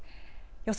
予想